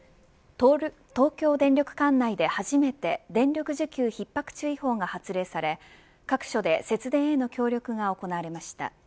東京電力管内で初めて電力需給ひっ迫注意報が発令され各所で節電への協力が行われました。